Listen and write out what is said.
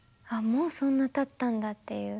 もうそんなたったんだっていう。